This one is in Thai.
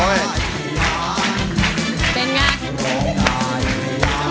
ขอเสียงปรบมือให้ร้ายกับพวกเราค่ะ